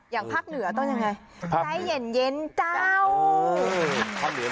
อย่างภาคเหนือต้องยังไง